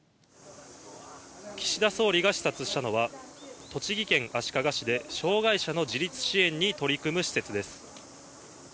岸田総理が視察したのは、栃木県足利市で障がい者の自立支援に取り組む施設です。